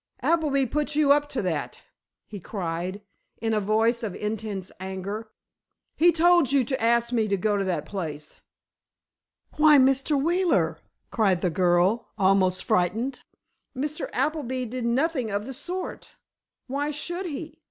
"Appleby put you up to that!" he cried, in a voice of intense anger. "He told you to ask me to go to that place!" "Why, Mr. Wheeler," cried the girl, almost frightened, "Mr. Appleby did nothing of the sort! Why should he!